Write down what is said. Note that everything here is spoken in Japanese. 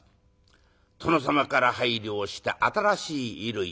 殿様から拝領した新しい衣類。